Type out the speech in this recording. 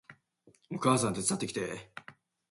お母さん手伝ってきて